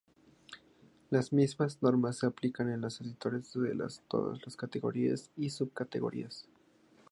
Las mismas normas se aplican a los editores de todas las categorías y subcategorías.